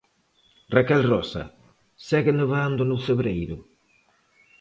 Raquel Rosa segue nevando no Cebreiro?